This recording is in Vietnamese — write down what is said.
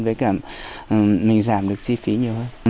với cả mình giảm được chi phí nhiều hơn